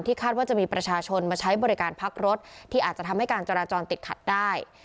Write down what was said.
คาดว่าจะมีประชาชนมาใช้บริการพักรถที่อาจจะทำให้การจราจรติดขัดได้